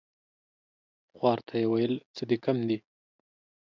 خوار ته يې ويل څه دي کم دي ؟